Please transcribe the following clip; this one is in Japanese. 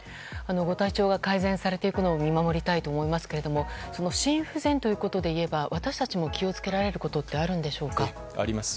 ご体調が改善されていくのを見守りたいと思いますが心不全ということでいえば私たちも気を付けられることはあります。